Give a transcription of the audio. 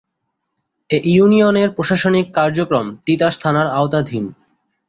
এ ইউনিয়নের প্রশাসনিক কার্যক্রম তিতাস থানার আওতাধীন।